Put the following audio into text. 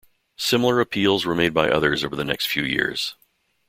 Similar appeals were made by others over the next few years.